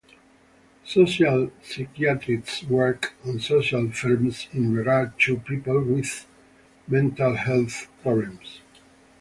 Social psychiatrists work on social firms in regard to people with mental health problems.